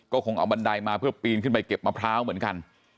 ก็คงเอาบันไดมาเพื่อปีนขึ้นไปเก็บมะพร้าวเหมือนกัน